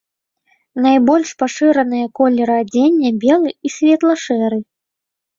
Найбольш пашыраныя колеры адзення белы і светла-шэры.